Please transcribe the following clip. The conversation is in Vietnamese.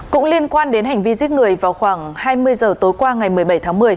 cũng liên quan đến hành vi giết người vào khoảng hai mươi giờ tối qua ngày một mươi bảy tháng một mươi